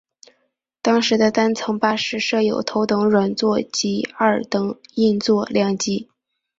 当时的单层巴士设有头等软座及二等硬座两级。